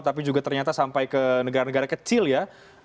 tapi juga ternyata sampai ke negara negara kecil ya